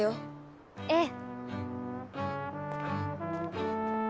ええ。